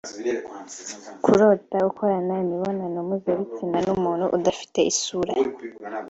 Kurota ukorana imibonano mpuzabitsina n’umuntu udafite isura